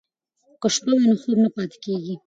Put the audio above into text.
که شپه وي نو خوب نه پاتې کیږي.